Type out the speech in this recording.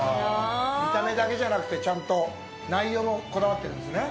見た目だけじゃなくて、ちゃんと内容もこだわっているんですね？